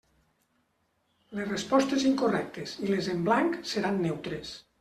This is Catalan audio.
Les respostes incorrectes i les en blanc seran neutres.